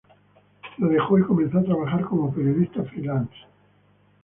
Lo dejó y comenzó a trabajar como periodista freelance.